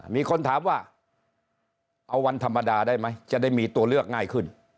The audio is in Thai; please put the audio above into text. มีคนถามว่าเอาวันธรรมดาได้ไหมจะได้มีตัวเลือกง่ายขึ้น